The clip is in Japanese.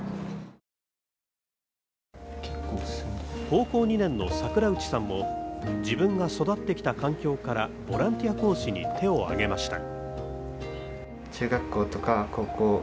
高校２年の櫻内さんも自分が育ってきた環境からボランティア講師に手を挙げました。